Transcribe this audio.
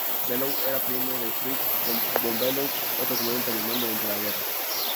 Below era primo de Fritz von Below, otro comandante alemán durante la guerra.